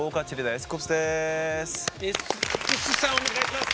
エスクプスさんお願いします。